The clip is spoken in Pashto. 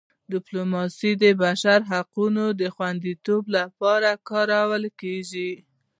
ډیپلوماسي د بشري حقونو د خوندیتوب لپاره هم کارول کېږي.